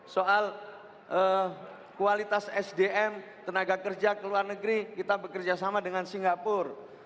soal kualitas sdm tenaga kerja ke luar negeri kita bekerja sama dengan singapura